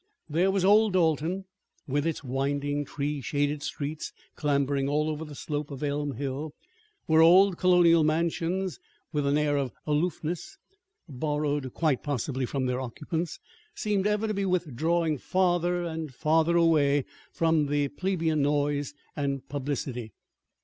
There was Old Dalton, with its winding, tree shaded streets clambering all over the slope of Elm Hill, where old colonial mansions, with an air of aloofness (borrowed quite possibly from their occupants), seemed ever to be withdrawing farther and farther away from plebeian noise and publicity.